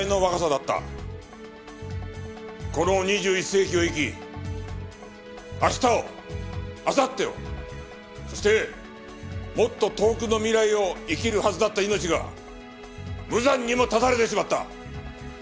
この２１世紀を生き明日をあさってをそしてもっと遠くの未来を生きるはずだった命が無残にも絶たれてしまった。